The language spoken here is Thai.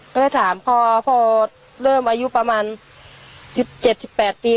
ก็เลยถามพ่อพ่อเริ่มอายุประมาณสิบเจ็ดสิบแปดปี